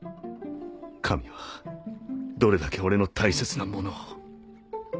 神はどれだけ俺の大切なものを。